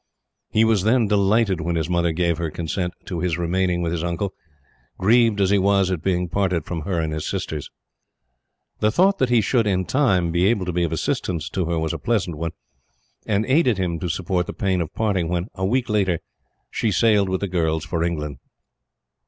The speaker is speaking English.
He was, then, delighted when his mother gave her consent to his remaining with his uncle; grieved as he was at being parted from her and his sisters. The thought that he should, in time, be able to be of assistance to her was a pleasant one; and aided him to support the pain of parting when, a week later, she sailed with the girls for England.